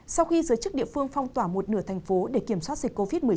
sau khi giới chức địa phương phong tỏa một nửa thành phố để kiểm soát dịch covid một mươi chín